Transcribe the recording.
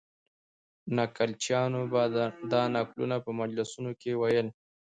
نکلچیانو به دا نکلونه په مجلسونو کې ویل.